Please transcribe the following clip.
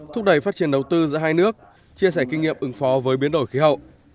thúc đẩy phát triển đầu tư giữa hai nước chia sẻ kinh nghiệm ứng phó với biến đổi khí hậu